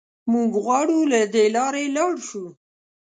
موږ غواړو له دې لارې لاړ شو.